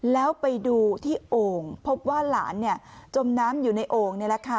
แล้วไปดูที่โอ่งพบว่าหลานจมน้ำอยู่ในโอ่งนี่แหละค่ะ